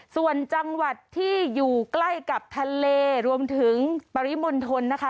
ส่วนจังหวัดที่อยู่ใกล้กับทะเลรวมถึงปริมณฑลนะคะ